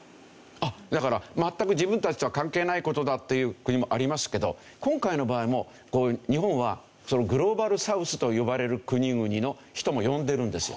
あっだから全く自分たちとは関係ない事だっていう国もありますけど今回の場合も日本はグローバルサウスと呼ばれる国々の人も呼んでるんですよ。